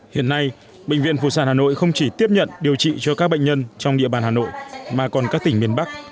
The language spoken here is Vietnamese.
hiện nay bệnh viện phụ sản hà nội không chỉ tiếp nhận điều trị cho các bệnh nhân trong địa bàn hà nội mà còn các tỉnh miền bắc